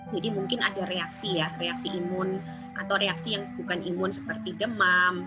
jadi mungkin ada reaksi ya reaksi imun atau reaksi yang bukan imun seperti demam